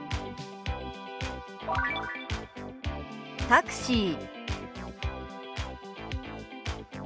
「タクシー」。